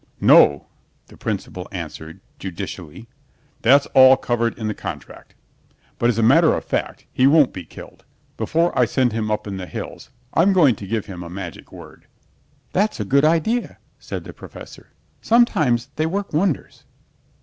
"No," the principal answered, judicially, "that's all covered in the contract. But as a matter of fact he won't be killed. Before I send him up in the hills I'm going to give him a magic word." "That's a good idea," said the Professor. "Sometimes they work wonders."